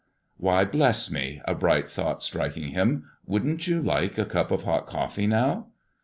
"Why, bless me," a bright thought striking him, "wouldn't you like a cup of hot coffee, now?"